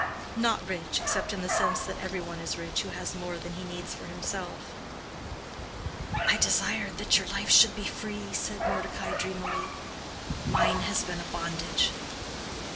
"Not rich, except in the sense that every one is rich who has more than he needs for himself." "I desired that your life should be free," said Mordecai, dreamily—"mine has been a bondage."